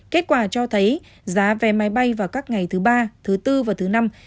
kết quả cho thấy giá vé máy bay vào các ngày thứ ba thứ bốn và thứ năm